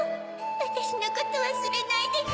わたしのことわすれないでね。